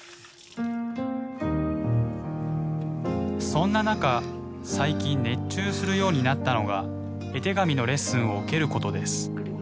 そんな中最近熱中するようになったのが絵手紙のレッスンを受けることです。